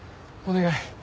お願い。